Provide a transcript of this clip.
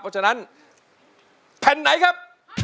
เพราะฉะนั้นแผ่นไหนครับ